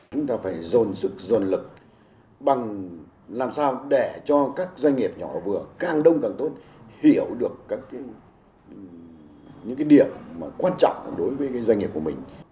chúng ta phải dồn sực dồn lực bằng làm sao để cho các doanh nghiệp nhỏ vừa càng đông càng tốt hiểu được các cái điểm quan trọng đối với doanh nghiệp của mình